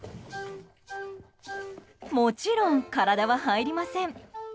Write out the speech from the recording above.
もちろん、体は入りません。